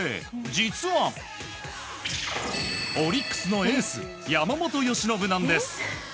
実はオリックスのエース山本由伸なんです。